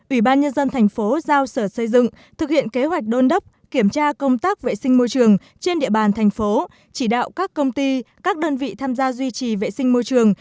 ủy ban nhân dân thành phố giao sở xây dựng thực hiện kế hoạch đôn đốc kiểm tra công tác vệ sinh môi trường trên địa bàn thành phố chỉ đạo các công ty các đơn vị tham gia duy trì vệ sinh môi trường